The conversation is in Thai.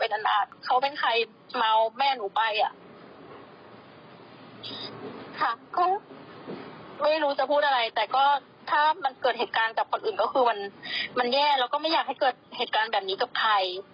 เขาไม่รู้จะพูดอะไรแต่ก็ถ้ามันเกิดเหตุการณ์กับคนอื่นก็คือมันแย่แล้วก็ไม่อยากให้เกิดเหตุการณ์แบบนี้กับใคร